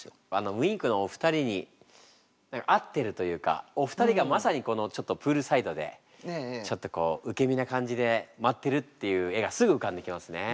Ｗｉｎｋのお二人に合ってるというかお二人がまさにこのちょっとプールサイドでちょっとこう受け身な感じで待ってるっていう絵がすぐうかんできますね。